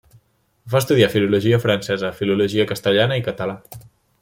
Va estudiar filologia francesa, filologia castellana i català.